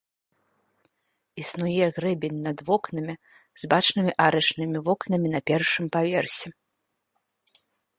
Існуе грэбень над вокнамі, з бачнымі арачнымі вокнамі на першым паверсе.